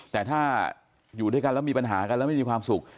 แต่ถ้าอยู่ด้วยกันแล้วมีปัญหากันแล้วไม่มีความสุข